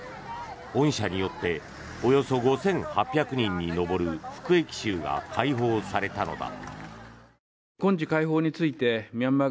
恩赦によっておよそ５８００人に上る服役囚が解放されたのだ。